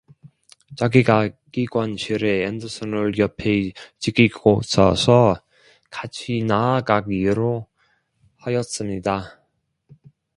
자기가 기관실에 앤더슨을 옆에 지키고 서서 같이 나아가기로 하였습니다.